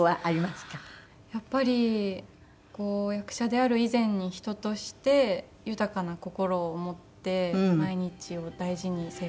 やっぱり役者である以前に人として豊かな心を持って毎日を大事に生活したい事ですね。